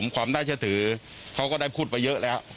ความน่าเชื่อถือเขาก็ได้พูดไปเยอะแล้ว